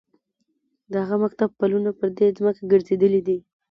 د هغه مکتب پلونه پر دې ځمکه ګرځېدلي دي.